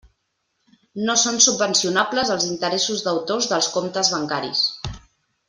No són subvencionables els interessos deutors dels comptes bancaris.